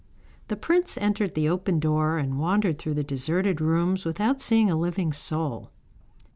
The prince entered the open door and wandered through the deserted rooms without seeing a living soul.